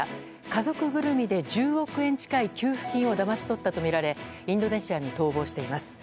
家族ぐるみで１０億円近い給付金をだまし取ったとみられインドネシアに逃亡しています。